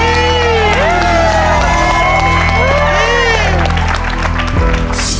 ถูกค่ะเตือน